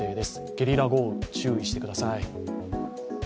ゲリラ豪雨に注意してください。